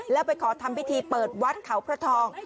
แล้วไปขอทำพิธีเปิดวัดเขาพระทอง